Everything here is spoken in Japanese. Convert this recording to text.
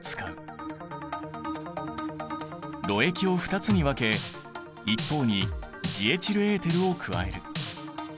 ろ液を２つに分け一方にジエチルエーテルを加える。